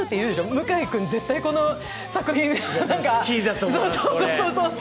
向井君、絶対この作品好きだと思います。